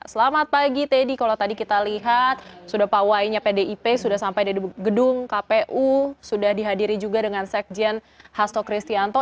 selamat pagi teddy kalau tadi kita lihat sudah pawainya pdip sudah sampai di gedung kpu sudah dihadiri juga dengan sekjen hasto kristianto